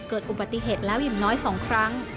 เกิดอุบัติเหตุแล้วอย่างน้อย๒ครั้ง